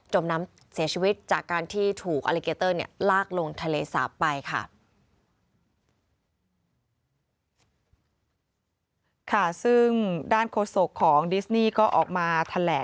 เสียชีวิตจากการที่ถูกอลิเกเตอร์ลากลงทะเลสาปไปค่ะ